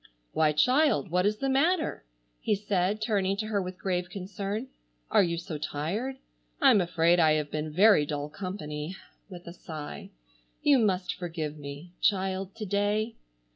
"Why, child, what is the matter?" he said, turning to her with grave concern. "Are you so tired? I'm afraid I have been very dull company," with a sigh. "You must forgive me—child, to day."